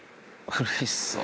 うれしそう。